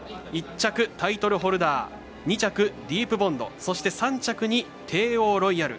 １着、タイトルホルダー２着、ディープボンド３着にテーオーロイヤル。